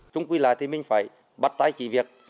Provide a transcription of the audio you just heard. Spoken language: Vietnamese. trung quy lại thì mình phải bắt tay chỉ việc